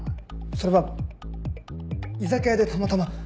それは居酒屋でたまたま。